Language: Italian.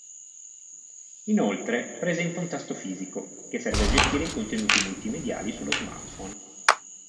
Inoltre, presenta un tasto fisico, che serve a gestire i contenuti multimediali sullo smartphone.